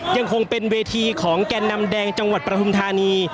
ยังคงเป็นเวทีของแก่นำแดงจังหวัดประทุมธานี